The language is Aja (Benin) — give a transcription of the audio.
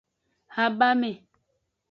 Habame.